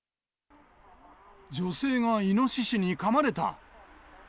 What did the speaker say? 女性がイノシシにかまれた。